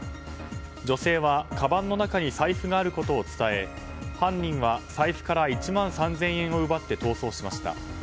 女性は、かばんの中に財布があることを伝え犯人は財布から１万３０００円を奪って逃走しました。